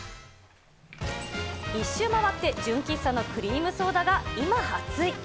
１周回って純喫茶のクリームソーダが今、熱い。